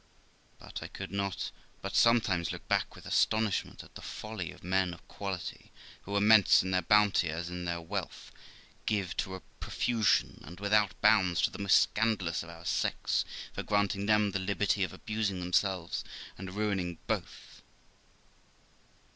But I could not but sometimes look back with astonishment at the folly of men of quality, who, immense in their bounty as in their wealth, give to a profusion and without bounds to the most scandalous of our sex, for granting them the liberty of abusing themselves and ruining both.